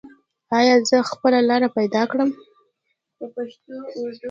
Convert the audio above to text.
ایا زه به خپله لاره پیدا کړم؟